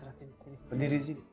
terakhir terakhir berdiri di sini